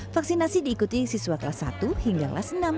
vaksinasi diikuti siswa kelas satu hingga kelas enam